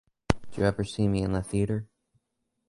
Did you ever see me in the theater?